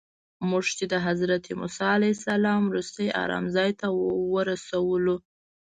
موږ یې د حضرت موسی علیه السلام وروستي ارام ځای ته ورسولو.